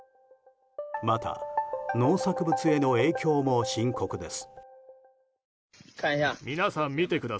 また農作物への影響も深刻です。